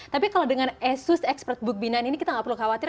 tapi kalau dengan asus expert bookbinan ini kita tidak perlu khawatir